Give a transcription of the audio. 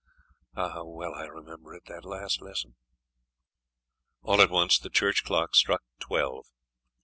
Ah, how well I remember it, that last lesson! All at once the church clock struck twelve.